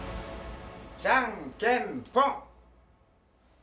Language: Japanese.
じゃんけんぽん！